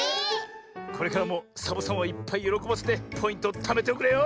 これからもサボさんをいっぱいよろこばせてポイントをためておくれよ。